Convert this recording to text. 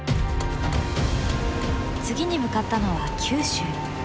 次に向かったのは九州。